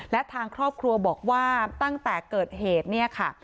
และทางครอบครัวบอกว่าตั้งแต่เกิดเหตุเนี่ยค่ะ